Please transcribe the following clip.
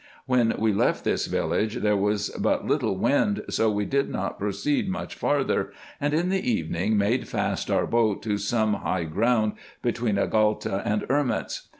When we left this village there was but little wind, so we did not proceed much farther, and in the evening made fast our boat to some high ground between Agalta and Erments.